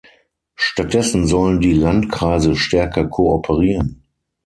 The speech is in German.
Stattdessen sollen die Landkreise stärker kooperieren.